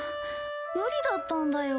無理だったんだよ